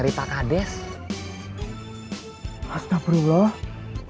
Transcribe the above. kita bisa keterbaikan